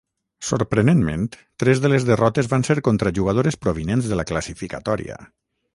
Sorprenentment tres de les derrotes van ser contra jugadores provinents de la classificatòria.